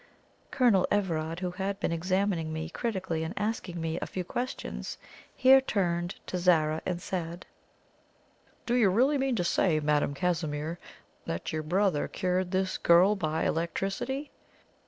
Colonel Everard, who had been examining me critically and asking me a few questions, here turned to Zara and said: "Do you really mean to say, Madame Casimir, that your brother cured this girl by electricity?"